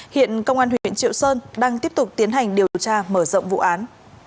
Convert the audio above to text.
hiện công an huyện triệu sơn đang tiếp tục tiến hành điều tra mở rộng vụ án